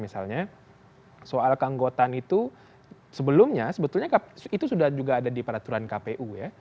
misalnya soal keanggotaan itu sebelumnya sebetulnya itu sudah juga ada di peraturan kpu ya